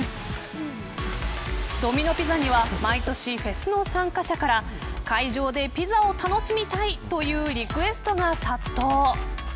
ドミノ・ピザには毎年フェスの参加者から会場でピザを楽しみたいというリクエストが殺到。